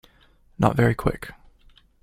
Not very quick.